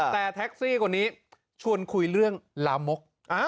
แต่แท็กซี่คนนี้ชวนคุยเรื่องลามก